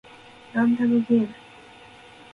ランダムゲーム